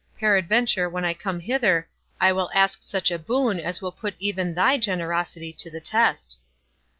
Peradventure when I come hither, I will ask such a boon as will put even thy generosity to the test."